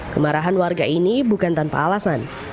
kemarahan warga ini bukan tanpa alasan